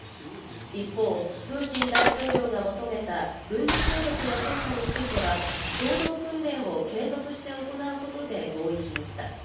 一方、プーチン大統領が求めた軍事協力の強化については、共同訓練を継続して行うことで合意しました。